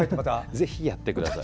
ぜひ、やってください。